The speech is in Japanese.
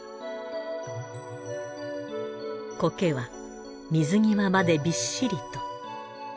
苔は水際までびっしりと。